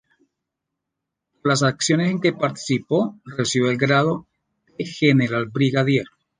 Por las acciones en que participó recibió el grado de general brigadier.